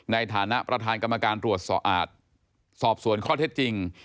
ในฐานะประธานกรรมการรวตสอบส่วนข้อธิตจริง